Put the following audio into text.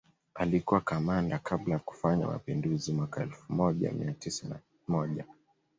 Alikua kamanda kabla ya kufanya mapinduzi mwaka elfu moja mia tisa na moja